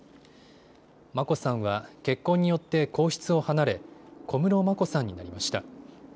眞子さんは結婚によって皇室を離れ小室眞子さんになりました。